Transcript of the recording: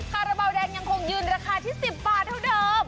คาราบาลแดงยังคงยืนราคาที่๑๐บาทเท่าเดิม